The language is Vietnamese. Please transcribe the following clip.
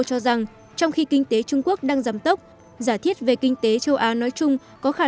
cho rằng trong khi kinh tế trung quốc đang giảm tốc giả thiết về kinh tế châu á nói chung có khả